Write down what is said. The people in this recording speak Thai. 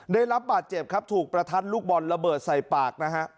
ได้รับบาดเจ็บครับถูกประทัดลูกบอลระเบิดใส่ปากนะฮะ